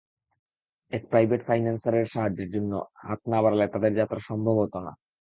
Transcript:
এক private financier সাহায্যের জন্য হাত না বাড়ালে তাদের যাত্রা সম্ভব হতো না।